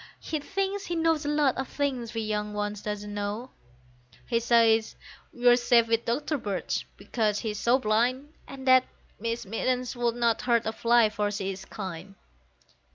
He thinks he knows a lot of things we young ones do not know; He says we're safe with Doctor Birch, because he is so blind, And that Miss Mittens would not hurt a fly, for she is kind.